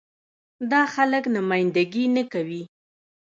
دا خلک نماينده ګي نه کوي.